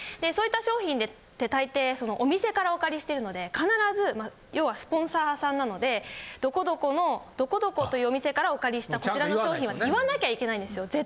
そういった商品って大抵そのお店からお借りしてるので必ず要はスポンサーさんなので「どこどこのどこどこというお店からお借りしたこちらの商品は」って言わなきゃいけないんですよ。